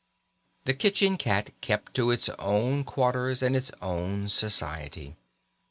The kitchen cat kept to its own quarters and its own society.